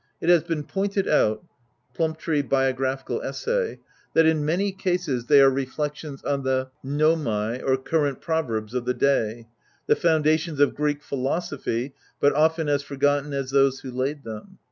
It has been pointed out (Plumptre, Biographical Essay) that, in many cases, they are reflections on the yvoifuic, or current proverbs of the day : the founda tions of Greek philosophy, but often as forgotten as those who laid them.